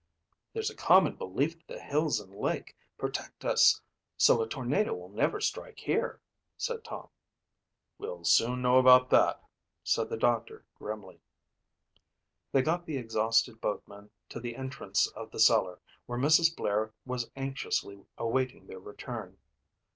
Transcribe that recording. "There's a common belief that the hills and lake protect us so a tornado will never strike here," said Tom. "We'll soon know about that," said the doctor grimly. They got the exhausted boatman to the entrance of the cellar, where Mrs. Blair was anxiously awaiting their return.